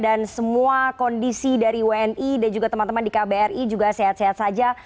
dan semua kondisi dari wni dan juga teman teman di kbri juga sehat sehat saja